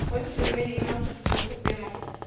Fue su primer y más exitoso tema.